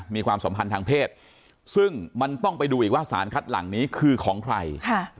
ความสัมพันธ์ทางเพศซึ่งมันต้องไปดูอีกว่าสารคัดหลังนี้คือของใคร